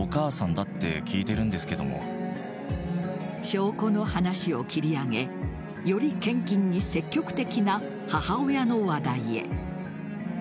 証拠の話を切り上げより献金に積極的な母親の話題へ。